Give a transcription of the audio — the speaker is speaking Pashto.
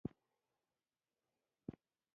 کلنګ د لیوه په ستوني کې سر دننه کړ او هډوکی یې وویست.